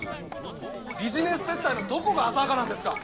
ビジネス接待のどこが浅はかなんですか！